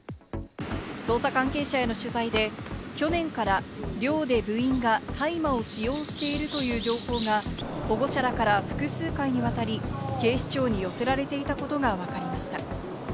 捜査関係者への取材で去年から寮で部員が大麻を使用しているという情報が保護者らから複数回にわたり警視庁に寄せられていたことがわかりました。